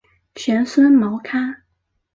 玄孙毛堪。